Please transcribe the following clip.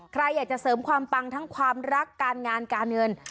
ใครอยากจะเสริมความปังทั้งความรักการงานการเงิน